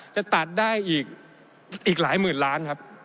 จะตัดได้อีกหลายหมื่นล้านครับ